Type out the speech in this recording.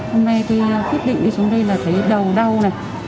hôm nay tôi quyết định đi xuống đây là thấy đau đau này